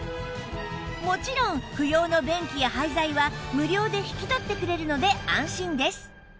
もちろん不要の便器や廃材は無料で引き取ってくれるので安心です